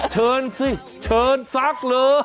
เชิญสิเชิญซักเลย